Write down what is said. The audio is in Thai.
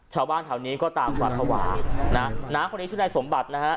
ชาวบ้านแถวนี้ก็ต่างหวาดภาวะนะน้าคนนี้ชื่อนายสมบัตินะฮะ